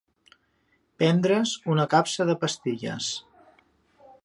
Prendre's una capsa de pastilles.